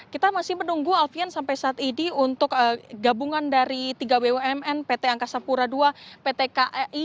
kita masih menunggu alfian sampai saat ini untuk gabungan dari tiga bumn pt angkasa pura ii pt kai